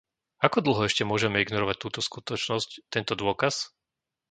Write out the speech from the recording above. Ako dlho ešte môžeme ignorovať túto skutočnosť, tento dôkaz?